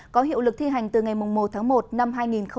có hiệu lực thi hành từ ngày một tháng một năm hai nghìn hai mươi